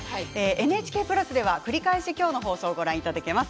ＮＨＫプラスでは繰り返し今日の放送をご覧いただけます。